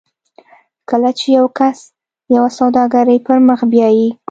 کله چې یو کس یوه سوداګري پر مخ بیایي